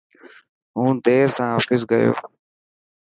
هون دير سان آفيس گيو.